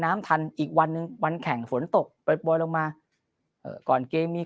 ทันอีกวันหนึ่งวันแข่งฝนตกปล่อยลงมาเอ่อก่อนเกมมี